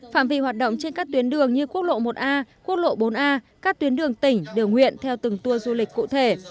phạm vị hoạt động trên các tuyến đường như quốc lộ một a quốc lộ bốn a các tuyến đường tỉnh đường huyện theo từng tour du lịch cụ thể